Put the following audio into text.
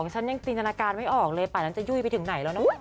ฉันยังจินตนาการไม่ออกเลยป่านั้นจะยุ่ยไปถึงไหนแล้วนะ